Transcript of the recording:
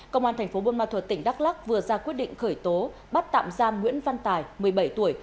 công an thành phố buôn ma thuật tỉnh đắk lắc vừa ra quyết định khởi tố bắt tạm giam nguyễn văn tài một mươi bảy tuổi